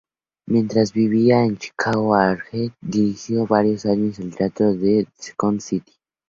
Mientras vivía en Chicago, Arquette dirigió varios años el teatro The Second City.